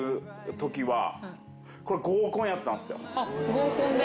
合コンで。